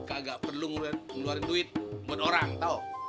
kagak perlu ngeluarin duit buat orang tau